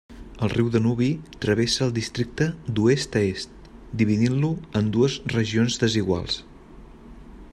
El riu Danubi travessa el districte d'oest a est, dividint-lo en dues regions desiguals.